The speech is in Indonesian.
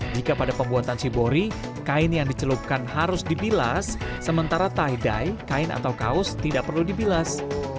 jika pada pembuatan shibori kain yang dicelupkan harus dibilas sementara tie dye kain atau kaos tidak perlu dibilas